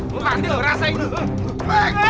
bapak ini beras ya ini